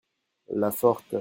la forte.